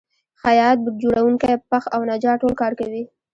خیاط، بوټ جوړونکی، پښ او نجار ټول کار کوي